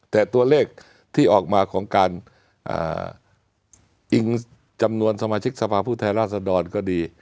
แต่ตัวเลขที่ออกมาของการอิงจำนวนสมาชิกสภาพผู้แทนราษฎรก็ดี